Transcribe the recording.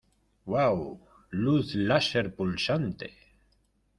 ¡ Uau! ¡ luz láser pulsante !